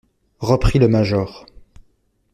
Reprit le major.